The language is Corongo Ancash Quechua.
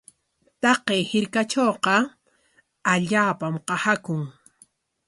Taqay hirkatrawqa allaapam qasaakun.